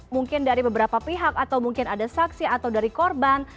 mungkin dari beberapa pihak atau mungkin ada saksi atau dari korban